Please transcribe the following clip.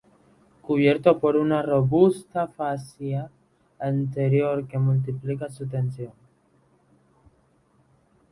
Cubierto por una robusta fascia anterior que multiplica su tensión.